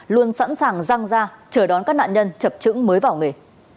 luôn sẵn sàng răng ra chờ đón các nạn nhân chập trứng mới vào nghề